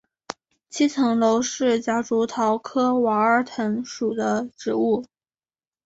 七层楼是夹竹桃科娃儿藤属的植物。